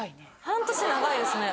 半年長いですね